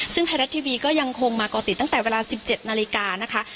ซึ่งไทยรัฐทีวีก็ยังคงมาก่อติดตั้งแต่เวลา๑๗นาฬิกานะคะ